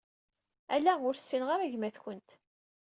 Ala, ur ssineɣ ara gma-t-kent.